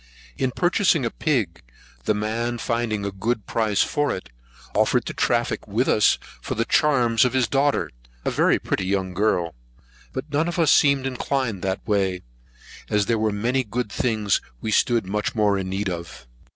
In purchasing a pig, the man finding a good price for it, offered to traffic with us for the charms of his daughter, a very pretty young girl. But none of us seemed inclined that way, as there were many good things we stood much more in need of.